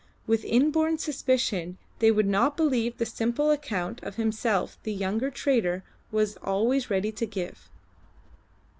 With inborn suspicion they would not believe the simple account of himself the young trader was always ready to give.